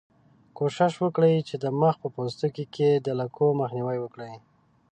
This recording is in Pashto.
کوښښ وکړئ چې د مخ په پوستکي کې د لکو مخنیوی وکړئ.